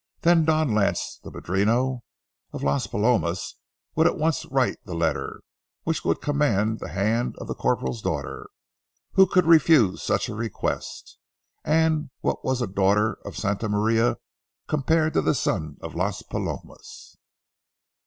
Then Don Lauce, the padrino of Las Palomas, would at once write the letter which would command the hand of the corporal's daughter. Who could refuse such a request, and what was a daughter of Santa Maria compared to a son of Las Palomas?